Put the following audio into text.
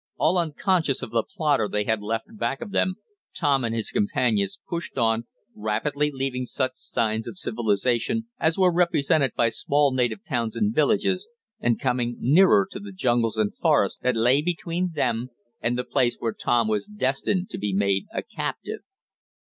All unconscious of the plotter they had left back of them, Tom and his companions pushed on, rapidly leaving such signs of civilization as were represented by small native towns and villages, and coming nearer to the jungles and forests that lay between them and the place where Tom was destined to be made a captive.